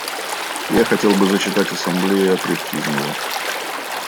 Я хотел бы зачитать Ассамблее отрывки из него.